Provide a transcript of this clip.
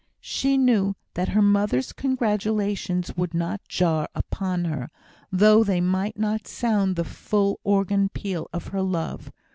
She knew that her mother's congratulations would not jar upon her, though they might not sound the full organ peal of her love.